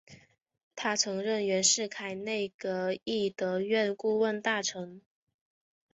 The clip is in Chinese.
他曾任袁世凯内阁弼德院顾问大臣。